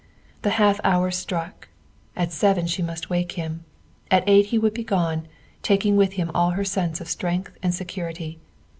The half hour struck. At seven she must wake him; at eight he would be gone, taking with him all her sense of strength and security.